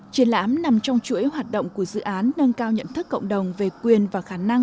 triển lãm nằm trong chuỗi hoạt động của dự án nâng cao nhận thức cộng đồng về quyền và khả năng